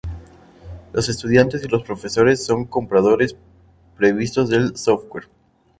Los estudiantes y los profesores son compradores previstos del software.